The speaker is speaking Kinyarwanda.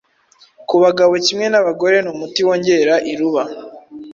ku bagabo kimwe n’abagore ni umuti wongera iruba